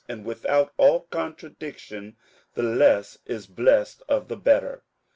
58:007:007 And without all contradiction the less is blessed of the better.